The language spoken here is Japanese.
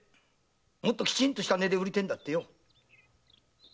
もっときちんとした値で売りてえんだってよ。